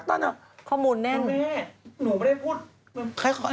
คุณแม่หนูไม่ได้พูด